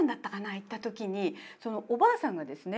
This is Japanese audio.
行った時におばあさんがですね